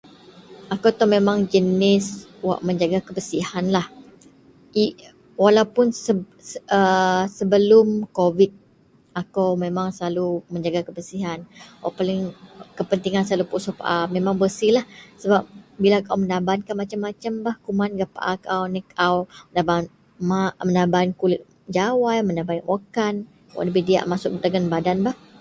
Akou itou memang jenis wak mejaga kebersihanlah, ee, walaupun seb.. aaa… sebelum kovid akou memang selalu mejaga kebersihan. Wak paling, kepentingan selalu pusok paa memang beresilah sebab bila kaau menaban macem-macem bah kuman gak paau kaau, anek kaau menaban mak, menaban kulit jawai, menaban wakkan, wak ndabei diyak masuk dagen badanbah